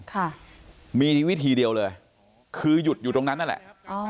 ค่ะมีวิธีเดียวเลยคือหยุดอยู่ตรงนั้นนั่นแหละอ๋อ